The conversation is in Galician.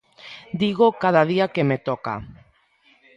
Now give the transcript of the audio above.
Dígoo cada día que me toca.